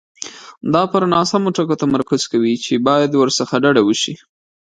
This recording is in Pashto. دا پر ناسمو ټکو تمرکز کوي چې باید ورڅخه ډډه وشي.